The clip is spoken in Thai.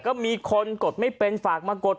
ก็มีคนกดไม่เป็นฝากมากด